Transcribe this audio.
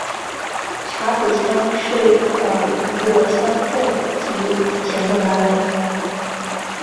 查孜乡是的一个乡镇级行政单位。